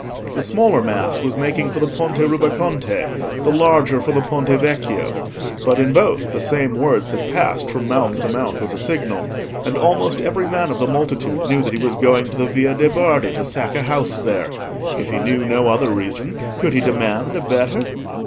The smaller mass was making for the Ponte Rubaconte, the larger for the Ponte Vecchio; but in both the same words had passed from mouth to mouth as a signal, and almost every man of the multitude knew that he was going to the Via de' Bardi to sack a house there. If he knew no other reason, could he demand a better?